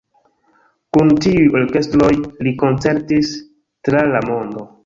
Kun tiuj orkestroj li koncertis tra la mondo.